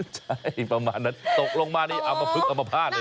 ใช่ประมาณนั้นตกลงมานี่เอามาพลึกอมภาษณเลย